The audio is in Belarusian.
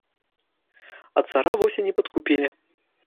А цара вось і не падкупілі.